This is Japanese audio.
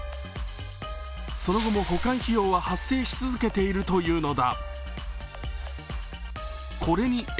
その後も保管費用は発生し続けているというのだ。